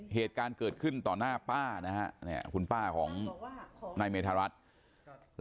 เหตุการณ์เกิดขึ้นต่อหน้าป้านะฮะคุณป้าของนายเมธารัฐ